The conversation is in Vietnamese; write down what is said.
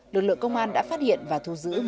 lực lượng công an đã phát hiện và thu giữ